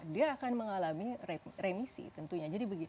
dia akan mengalami remisi tentunya